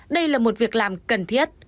đây là một việc làm cần thiết